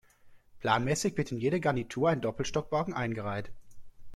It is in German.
Planmäßig wird in jede Garnitur ein Doppelstockwagen eingereiht.